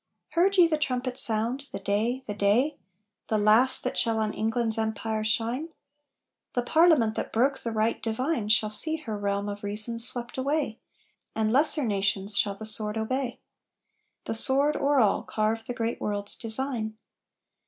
Heard ye the trumpet sound? "The Day! the Day! The last that shall on England's empire shine! The Parliament that broke the Right Divine Shall see her realm of reason swept away, And lesser nations shall the sword obey The sword o'er all carve the great world's design!"